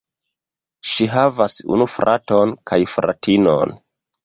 Ŝi havas unu fraton kaj fratinon.